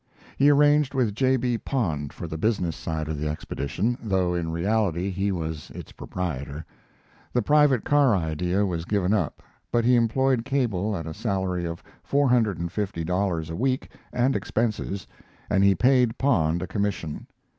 He arranged with J. B. Pond for the business side of the expedition, though in reality he was its proprietor. The private car idea was given up, but he employed Cable at a salary of four hundred and fifty dollars a week and expenses, and he paid Pond a commission.